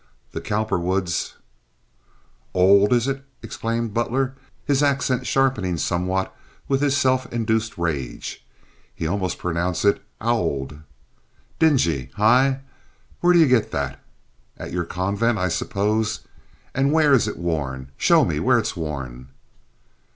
The Cowperwoods—" "Old is it!" exclaimed Butler, his accent sharpening somewhat with his self induced rage. He almost pronounced it "owled." "Dingy, hi! Where do you get that? At your convent, I suppose. And where is it worn? Show me where it's worn."